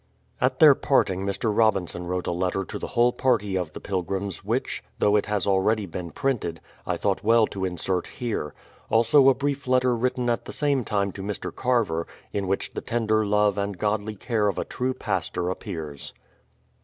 At their parting Mr. Robinson wrote a letter to the whole THE PLYMOUTH SETTLEMENT 53 party of the pilgrims which, though it has already been printed, I thought well to insert here; also a brief letter written at the same time to Mr. Carver, in which the tender love and godly care of a true pastor appears.